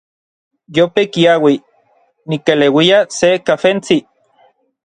Yope kiaui, nikeleuia se kafentsi.